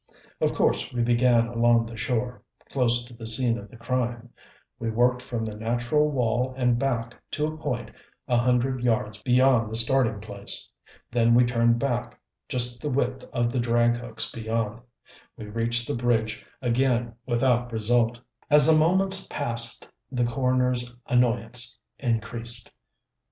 Of course we began along the shore, close to the scene of the crime. We worked from the natural wall and back to a point a hundred yards beyond the starting place. Then we turned back, just the width of the drag hooks beyond. We reached the Bridge again without result. As the moments passed the coroner's annoyance increased.